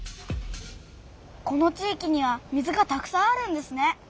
この地いきには水がたくさんあるんですね。